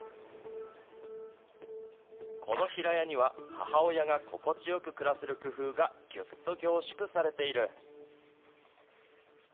この平屋には母親が心地よく暮らせる工夫がぎゅっと凝縮されている。